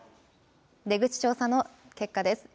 出口調査の結果です。